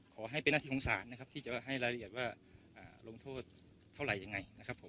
ขอให้เป็นหน้าที่ของศาลนะครับที่จะให้รายละเอียดว่าลงโทษเท่าไหร่ยังไงนะครับผม